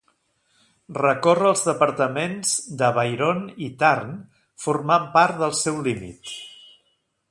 Recorre els departaments d'Avairon i Tarn, formant part del seu límit.